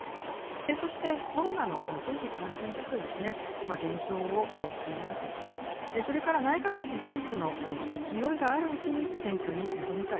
そして、コロナの新規感染者数ですね、減少をしていますし、それから内閣支持率の勢いがあるうちに選挙に臨みたい。